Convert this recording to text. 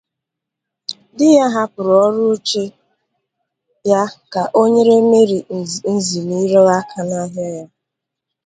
Di ya hapụrụ ọrụ oche ya ka o nyere Mary Nzimiro aka n’ahịa ya.